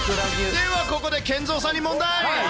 ではここでＫＥＮＺＯさんに問題。